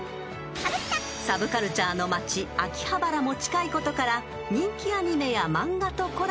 ［サブカルチャーの街秋葉原も近いことから人気アニメや漫画とコラボしたり